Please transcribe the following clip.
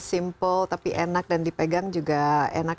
simple tapi enak dan dipegang juga enak